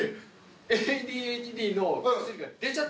ＡＤＨＤの薬が出ちゃった？